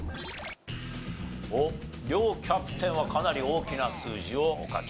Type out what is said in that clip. おっ両キャプテンはかなり大きな数字をお書きになっている。